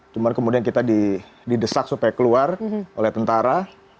cuma kemudian kita didesak supaya keluar oleh tentara